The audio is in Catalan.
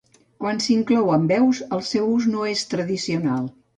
Quan s’inclouen veus, el seu ús no és tradicional.